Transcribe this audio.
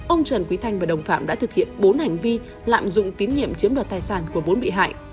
ông trần quý thanh và đồng phạm đã thực hiện bốn hành vi lạm dụng tín nhiệm chiếm đoạt tài sản của bốn bị hại